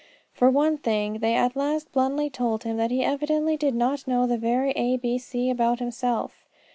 For one thing, they at last bluntly told him that he evidently did not know the very A B C about himself.